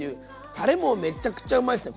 たれもめちゃくちゃうまいっすね。